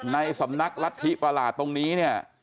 ในสำนักรัฐธิประหลาดตรงนี้เนี่ย